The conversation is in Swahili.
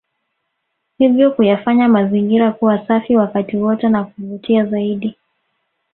Hivyo kuyafanya mazingira kuwa safi wakati wote na kuvutia zaidi